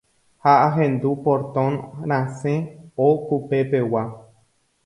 ha ahendu portón rasẽ okupepegua